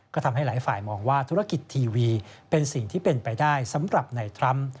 ก็ทำให้หลายฝ่ายมองว่าธุรกิจทีวีเป็นสิ่งที่เป็นไปได้สำหรับในทรัมป์